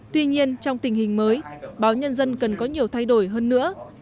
tuy nhiên trong tình hình mới báo nhân dân cần có nhiều thay đổi hơn nữa